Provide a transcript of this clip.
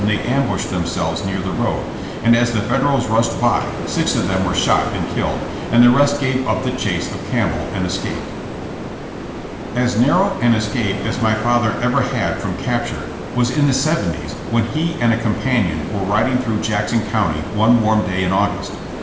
they ambushed themselves near the road, and as the Federals rushed by six of them were shot and killed, and the rest gave up the chase of Campbell and es caped. As narrow an escape as my father ever had from capture was in the 70 's when he and a companion were riding through Jackson County one warm day in August.